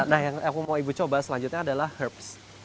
nah yang aku mau ibu coba selanjutnya adalah hurbs